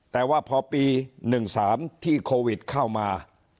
แต่ว่าพอปี๑๓ที่โควิดเข้ามา